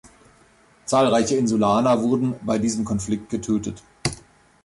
Zahlreiche Insulaner wurden bei diesem Konflikt getötet.